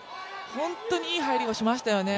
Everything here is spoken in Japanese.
本当にいい入りをしましたよね。